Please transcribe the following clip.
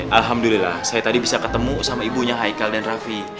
alhamdulillah saya tadi bisa ketemu sama ibunya haikal dan raffi